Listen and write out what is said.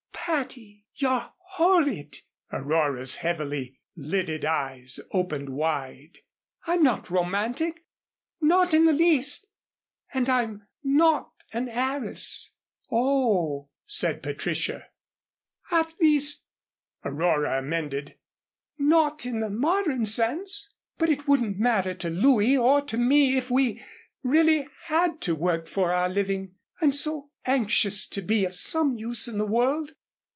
"Patty! you're horrid." Aurora's heavily lidded eyes opened wide. "I'm not romantic not in the least and I'm not an heiress " "Oh," said Patricia. "At least," Aurora amended, "not in the modern sense. But it wouldn't matter to Louis or to me if we really had to work for our living. I'm so anxious to be of some use in the world.